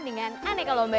dengan aneka lomba